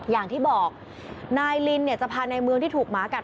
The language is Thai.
อย่างที่บอกนายลินเนี่ยจะพาในเมืองที่ถูกหมากัด